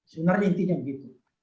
sebenarnya intinya begitu